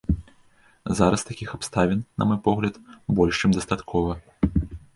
Зараз такіх абставін, на мой погляд, больш чым дастаткова.